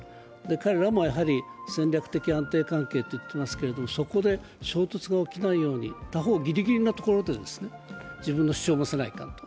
彼らも戦略的安定関係と言っていますけれども、そこで衝突が起きないように、他方ギリギリのところで自分の主張もせないかんと。